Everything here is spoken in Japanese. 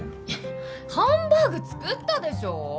いやハンバーグ作ったでしょ。